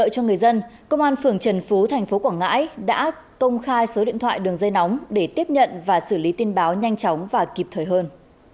cho người dân công an phường trần phú thành phố quảng ngãi đã công khai số điện thoại đường dây nóng để tiếp nhận và xử lý tin báo nhanh chóng và kịp thời hơn